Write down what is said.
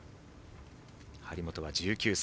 張本は１９歳。